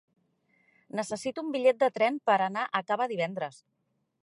Necessito un bitllet de tren per anar a Cava divendres.